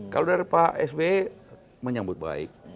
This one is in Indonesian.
kalau dari pak sb menyambut baik